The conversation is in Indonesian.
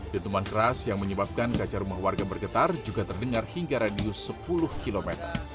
dentuman keras yang menyebabkan kaca rumah warga bergetar juga terdengar hingga radius sepuluh km